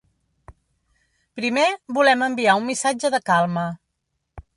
Primer, volem enviar un missatge de calma.